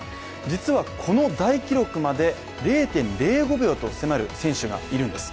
実はこの大記録まで０．０５秒と迫る選手がいるんです。